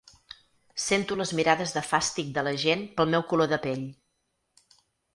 Sento les mirades de fàstic de la gent pel meu color de pell.